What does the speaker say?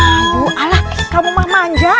aduh ala kamu mah manja